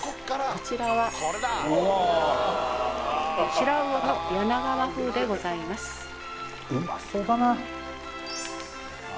こちらはうわ白魚の柳川風でございますうまそうだなあ